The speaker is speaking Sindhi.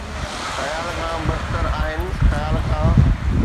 خيال کان بدتر آهن خيال کان